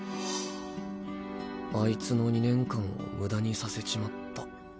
あいつの２年間をムダにさせちまった。